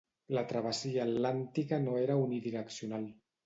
La travessia atlàntica no era unidireccional.